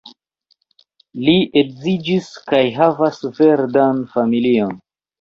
Li edziĝis kaj havas verdan familion.